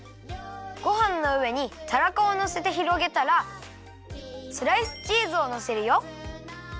ごはんのうえにたらこをのせてひろげたらスライスチーズをのせるよ。